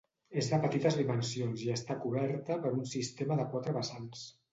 És de petites dimensions i està coberta per un sistema de quatre vessants.